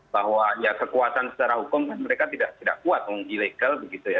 bahwa ya kekuatan secara hukum kan mereka tidak kuat menggunakan pinjol ilegal begitu ya